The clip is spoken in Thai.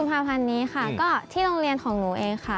ภาพันธ์นี้ค่ะก็ที่โรงเรียนของหนูเองค่ะ